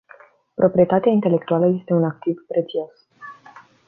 Proprietatea intelectuală este un activ prețios.